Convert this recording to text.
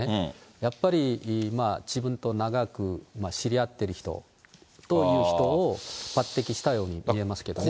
やっぱり自分と長く知り合ってる人という人を、抜てきしたように見えますけれどもね。